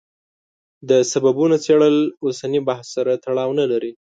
د سببونو څېړل اوسني بحث سره تړاو نه لري.